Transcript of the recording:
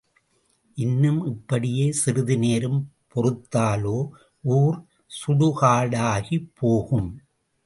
இன்னும் இப்படியே சிறிது நேரம் பொறுத்தாலோ ஊர் சுடுகாடாகிப் போகும்.